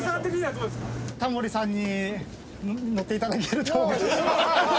タモリさんに乗っていただけると。